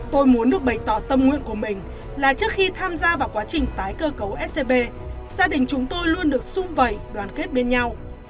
tôi muốn được bày tỏ tâm nguyện của mình là trước khi tham gia vào quá trình tái cơ cấu scb gia đình chúng tôi luôn được sung vầy đoàn kết bên nhau